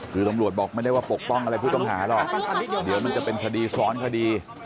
คือตำรวจบอกไม่ได้ว่าปกป้องอะไรผู้ต้องหาหรอกเดี๋ยวมันจะเป็นคดีซ้อนคดี